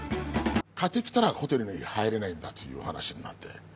買ってきたらホテルの部屋入れないんだという話になって。